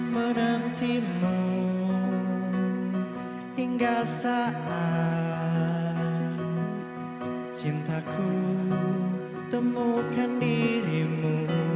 menantimu hingga saat cintaku temukan dirimu